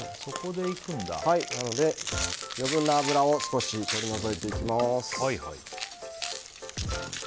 なので、余分な油を少し取り除いていきます。